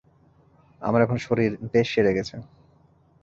আমার এখন শরীর বেশ সেরে গেছে।